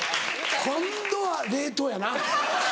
今度は冷凍やな？